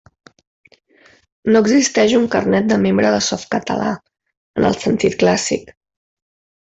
No existeix un carnet de membre de Softcatalà, en el sentit clàssic.